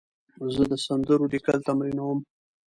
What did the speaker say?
زه د سندرو لیکل تمرینوم.